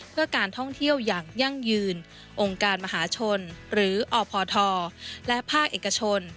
เพื่อการท่องเที่ยวอย่างยั่งยืนองค์การมหาชนหรืออพทและภาคเอกชน